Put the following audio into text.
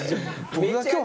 僕が今日。